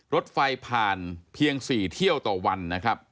รถไฟผ่านเพียง๔เที่ยวต่อวันนะครับ